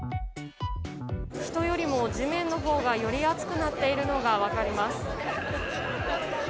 人よりも地面のほうがより熱くなっているのが分かります。